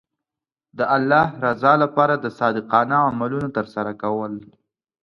د الله رضا لپاره د صادقانه عملونو ترسره کول.